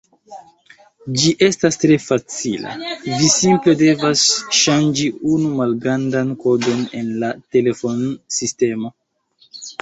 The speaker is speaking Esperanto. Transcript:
Ĝi estas tre facila: vi simple devas ŝanĝi unu malgrandan kodon en la telefonsistemo.